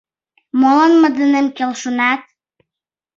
Молан мый денем келшенат?